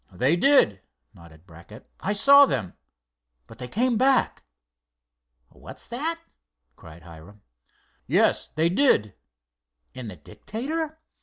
"They did," nodded Brackett. "I saw them. But they came back." "What's that?" cried Hiram. "Yes, they did." "In the Dictator?"